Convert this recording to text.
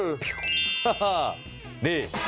อ่านี่